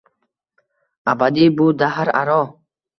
Abadiy bu dahr aro